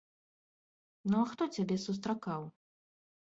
Ну а хто цябе сустракаў?